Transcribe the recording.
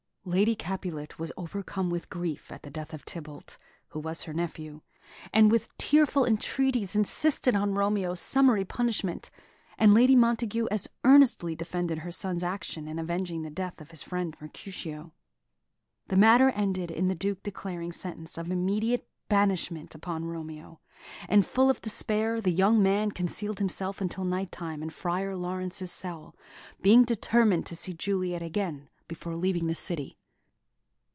Lady Capulet was overcome with grief at the death of Tybalt, who was her nephew, and with tearful entreaties insisted on Romeo's summary punishment; and Lady Montague as earnestly defended her son's action in avenging the death of his friend Mercutio. The matter ended in the Duke declaring sentence of immediate banishment upon Romeo; and, full of despair, the young man concealed himself until night time in Friar Laurence's cell, being determined to see Juliet again before leaving the city.